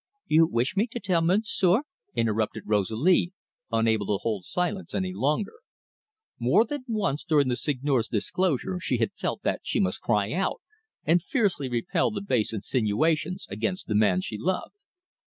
"You wish me to tell Monsieur?" interrupted Rosalie, unable to hold silence any longer. More than once during the Seigneur's disclosure she had felt that she must cry out and fiercely repel the base insinuations against the man she loved.